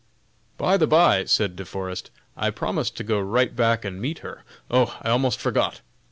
"By the by!" said De Forest, "I promised to go right back and meet her. Oh! I almost forgot!